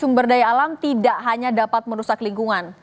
sumber daya alam tidak hanya dapat merusak lingkungan